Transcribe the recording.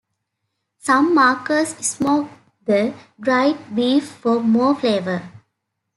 Some makers smoke the dried beef for more flavor.